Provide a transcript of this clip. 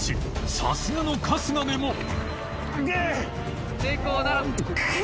さすがの春日でも春日）